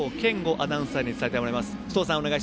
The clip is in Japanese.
アナウンサーに伝えてもらいます。